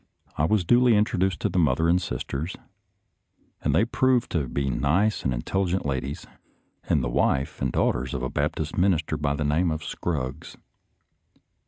I was duly introduced to the mother and sisters, and they proved to be nice and intelligent ladies, and the wife and daughters of a Baptist minister by the name of Scruggs.